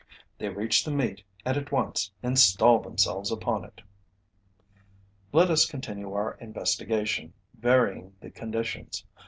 They reach the meat and at once install themselves upon it. Let us continue our investigation, varying the conditions.